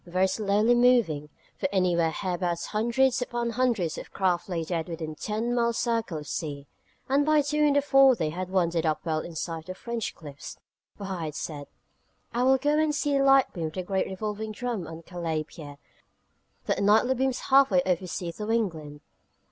very slowly moving for anywhere hereabouts hundreds upon hundreds of craft lay dead within a ten mile circle of sea and by two in the fore day had wandered up well in sight of the French cliffs: for I had said: 'I will go and see the light beam of the great revolving drum on Calais pier that nightly beams half way over sea to England.'